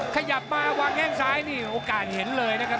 ขยับมาวางแข้งซ้ายนี่โอกาสเห็นเลยนะครับ